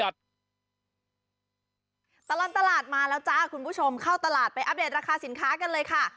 ตลอดตลาดมาแล้วจ้าคุณผู้ชมเข้าตลาดไปอัปเดตราคาสินค้ากันเลยค่ะ